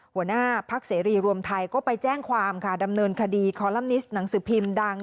หัวหน้าพักเสรีรวมไทยก็ไปแจ้งความค่ะดำเนินคดีคอลัมนิสต์หนังสือพิมพ์ดัง